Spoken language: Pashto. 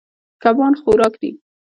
کبان خوراک دي.